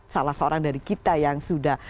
salah seorang dari kita yang sudah